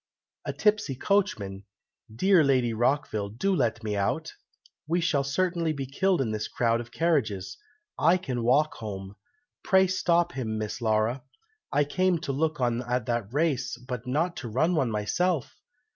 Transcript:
"A tipsy coachman! Dear Lady Rockville, do let me out! We shall certainly be killed in this crowd of carriages! I can walk home! Pray stop him, Miss Laura! I came to look on at a race, but not to run one myself!